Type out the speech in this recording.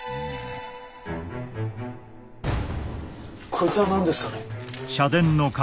こいつは何ですかねえ？